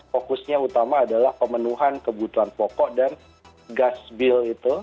fokusnya utama adalah pemenuhan kebutuhan pokok dan gas bill itu